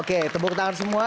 oke tepuk tangan semua